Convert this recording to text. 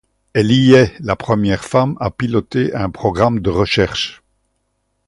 Elle y est la première femme à piloter un programme de recherche.